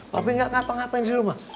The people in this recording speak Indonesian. papi nggak tahu apa apa yang di rumah